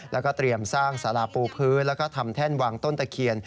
แล้วก็เตรียมสร้างสาราปูพื้นแล้วก็ทำแท่นวางต้นตะเคียน